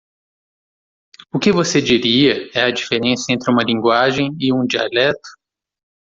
O que você diria é a diferença entre uma linguagem e um dialeto?